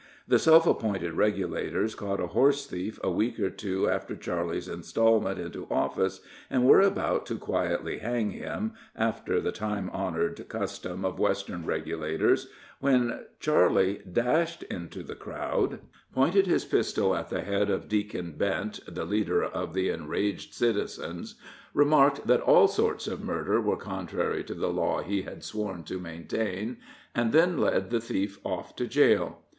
The self appointed "regulators" caught a horse thief a week or two after Charley's installment into office, and were about to quietly hang him, after the time honored custom of Western regulators, when Charley dashed into the crowd, pointed his pistol at the head of Deacon Bent, the leader of the enraged citizens, remarked that all sorts of murder were contrary to the law he had sworn to maintain, and then led the thief off to jail.